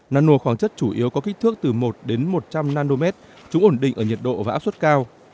nano khoáng chất chủ yếu có kích thước từ một đến một trăm linh nanomet chúng ổn định ở nhiệt độ và áp suất cao